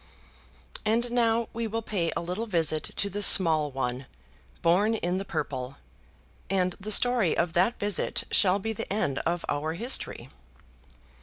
And now we will pay a little visit to the small one born in the purple, and the story of that visit shall be the end of our history.